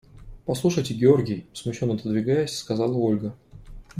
– Послушайте, Георгий, – смущенно отодвигаясь, сказала Ольга.